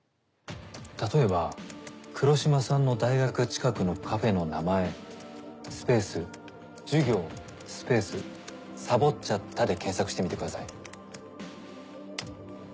例えば黒島さんの大学近くのカフェの名前スペース「授業」スペース「サボっちゃった」で検索してみてください。